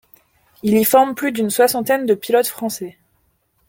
Il y forme plus d'une soixantaine de pilotes français.